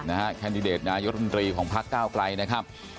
นะฮะเน้ยอดดนาทีของภาคเก้าไกลนะครับ